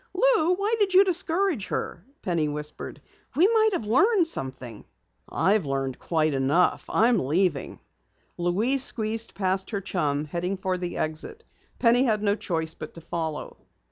"Lou, why did you discourage her?" Penny whispered. "We might have learned something." "I've learned quite enough. I'm leaving." Louise squeezed past her chum, heading for the exit. Penny had no choice but to follow.